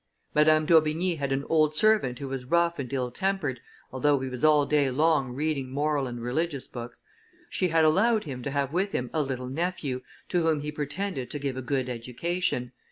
Madame d'Aubigny had an old servant who was rough and ill tempered, although he was all day long reading moral and religious books. She had allowed him to have with him a little nephew, to whom he pretended to give a good education.